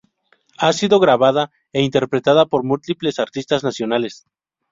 Ha sido grabada e interpretada por múltiples artistas nacionales.